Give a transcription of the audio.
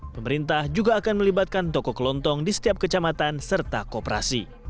pemerintah juga akan melibatkan toko kelontong di setiap kecamatan serta kooperasi